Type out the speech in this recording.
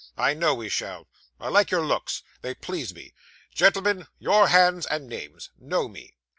'I know we shall. I like your looks; they please me. Gentlemen, your hands and names. Know me.